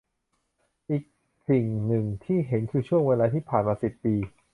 อีกสิ่งหนึ่งที่เห็นคือช่วงเวลาที่ผ่านมา สิบ ปี